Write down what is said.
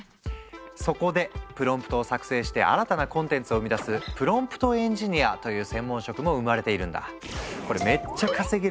そこでプロンプトを作成して新たなコンテンツを生み出すプロンプトエンジニアという専門職も生まれているんだ。